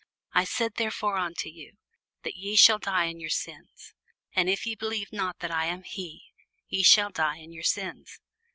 I said therefore unto you, that ye shall die in your sins: for if ye believe not that I am he, ye shall die in your sins.